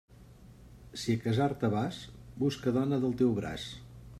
Si a casar-te vas, busca dona del teu braç.